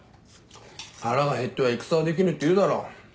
腹が減っては戦はできぬって言うだろ。